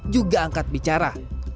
juga angkat bicara